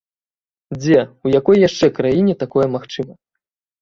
Дзе, у якой яшчэ краіне такое магчыма?